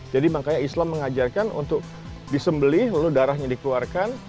jadi makanya islam mengajarkan untuk disembelih lalu darahnya dikeluarkan